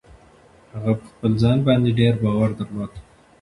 هغه په خپل ځان باندې ډېر باور درلود.